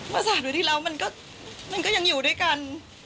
เมื่อ๓เดือนที่แล้วมันก็ยังอยู่ด้วยกัน